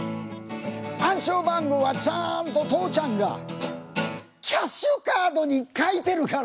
暗証番号はちゃんと父ちゃんがキャッシュカードに書いてるから」